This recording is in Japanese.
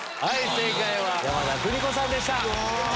正解は山田邦子さんでした。